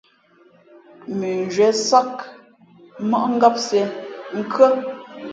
Mʉnzhwě sāk, mmάʼ ngāp siē , nkhʉ́ά.